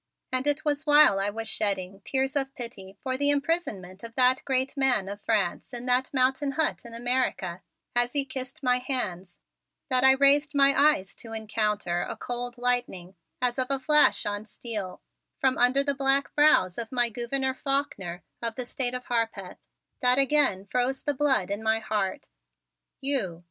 And it was while I was shedding tears of pity for the imprisonment of that great man of France in that mountain hut in America, as he kissed my hands, that I raised my eyes to encounter a cold lightning as of a flash on steel, from under the black brows of my Gouverneur Faulkner of the State of Harpeth, that again froze the blood in my heart. "You?"